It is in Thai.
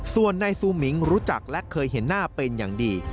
ส่วนนายซูมิงรู้จักและเคยเห็นหน้าเป็นอย่างดี